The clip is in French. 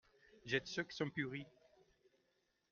Jette ceux qui sont pourris.